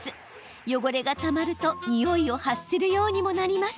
汚れがたまるとニオイを発するようにもなります。